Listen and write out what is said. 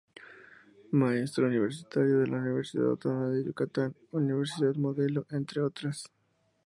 Maestro universitario de la Universidad Autónoma de Yucatán, Universidad Modelo, entre otras.